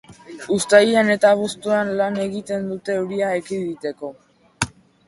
Uztailean eta abuztuan lan egiten dute, euria ekiditeko.